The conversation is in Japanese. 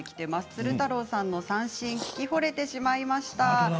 鶴太郎さんの三線、聴きほれてしまいました。